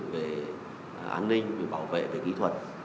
về an ninh về bảo vệ về kỹ thuật